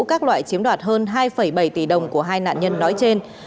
các loại chiếm đoạt hơn hai bảy tỷ đồng của hai nạn nhân nói trên